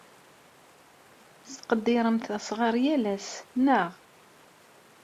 Tettqeddiremt asɣar yal ass, naɣ?